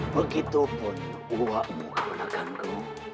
begitupun uarmu ke manakanku